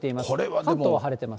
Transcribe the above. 関東は晴れてます。